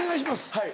はい。